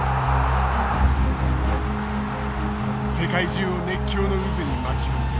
世界中を熱狂の渦に巻き込む。